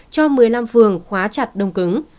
cho một mươi năm phường khóa chặt đông cứng